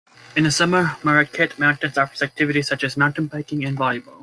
In the summer, Marquette Mountain offers activities such as mountain biking, and volleyball.